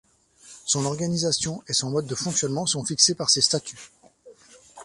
Son organisation et son mode de fonctionnement sont fixés par ses statuts.